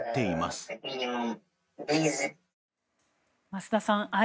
増田さん